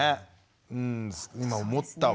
うん今思ったわ。